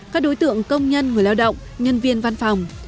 các đối tượng công nhân người lao động nhân viên văn phòng